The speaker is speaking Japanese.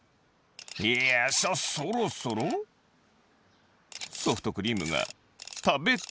いやそろそろソフトクリームがたべたいぞっと！